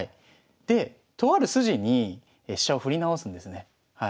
でとある筋に飛車を振り直すんですね。